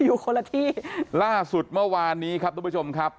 อยู่คนละที่ล่าสุดเมื่อวานนี้ครับทุกผู้ชมครับ